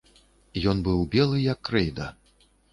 Ён быў белы як крэйда.